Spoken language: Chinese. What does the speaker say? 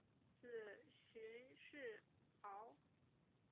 子荀逝敖。